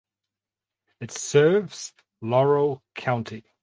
It serves Laurel County.